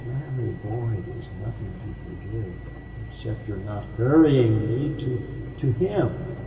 Larry, boy, there's nothing to forgive except your not hurrying me to to him!"